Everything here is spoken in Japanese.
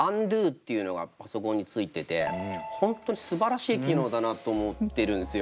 Ｕｎｄｏっていうのがパソコンについてて本当にすばらしい機能だなと思ってるんすよ。